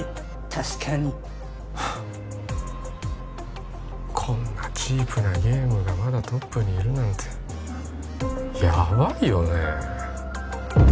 確かにはあこんなチープなゲームがまだトップにいるなんてヤバイよね